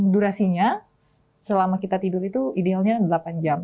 durasinya selama kita tidur itu idealnya delapan jam